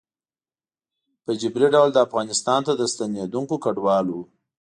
ه جبري ډول افغانستان ته د ستنېدونکو کډوالو